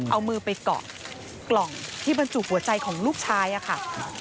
เอามือไปเกาะกล่องที่บรรจุหัวใจของลูกชายค่ะ